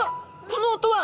この音は！